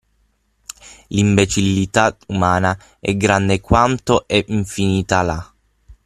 L'imbecillità umana è grande quanto è infinita la.